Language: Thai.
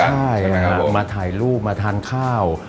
ใช่มาถ่ายรูปมาทานข้าว